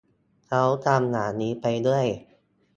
เขาทำอย่างนี้ไปเรื่อย